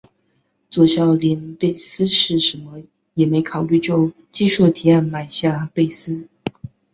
佐孝连贝斯是甚么也没考虑就接受提案买下贝斯。